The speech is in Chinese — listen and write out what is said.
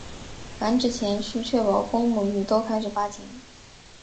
繁殖前须确保公母鱼都开始发情。